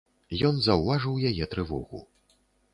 Ён заўважыў яе трывогу.